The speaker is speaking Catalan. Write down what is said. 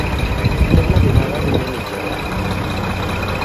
Té una durada d'una mitja hora.